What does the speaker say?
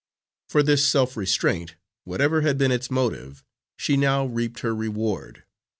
For this self restraint, whatever had been its motive, she now reaped her reward.